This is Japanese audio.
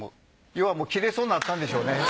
ようはもう切れそうになったんでしょうね。